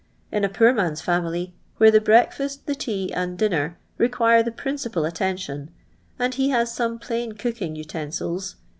In a pnor man's family, wlfre th^^ breakfa^t. the tea aod dinner, require the principal attention, and he has sumo plain cooking utonftils.